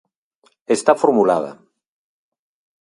Está formulada.